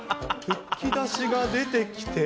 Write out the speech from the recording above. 吹き出しが出てきて。